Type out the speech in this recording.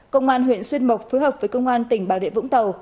công an huyện xuyên mộc phối hợp với công an tỉnh bảo lệ vũng tàu